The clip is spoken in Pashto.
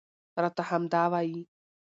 راته همدا وايي